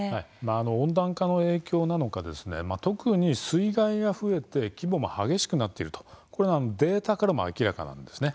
温暖化の影響なのか特に、水害が増えて規模も激しくなっているとこれはデータからも明らかなんですね。